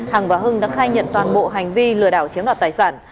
hằng và hưng đã khai nhận toàn bộ hành vi lừa đảo chiếm đoạt tài sản